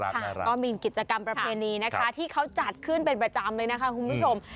ถูกต้องค่ะมีกิจกรรมประเพณีที่เขาจัดขึ้นเป็นประจำคุณผู้ชม